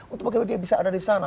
untuk bagaimana dia bisa ada disana